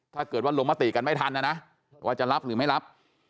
ถ้าเกิดว่าลงมติกันไม่ทันนะนะว่าจะรับหรือไม่รับ